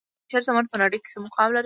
د پنجشیر زمرد په نړۍ کې څه مقام لري؟